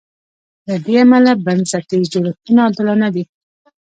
له دې امله بنسټیز جوړښتونه عادلانه دي.